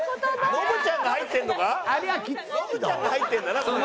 ノブちゃんが入ってんだなこれ。